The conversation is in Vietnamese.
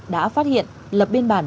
đã phát hiện lập biên bản